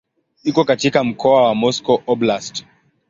Iko katika mkoa wa Moscow Oblast.